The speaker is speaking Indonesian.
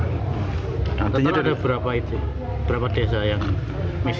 nantinya ada berapa desa yang miskin